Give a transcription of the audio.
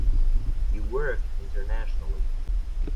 He worked internationally.